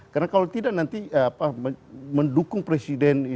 karena kalau tidak nanti mendukung presiden